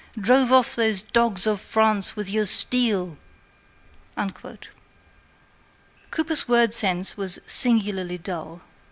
Drive off these dogs of France with your steel!'" Cooper's word sense was singularly dull.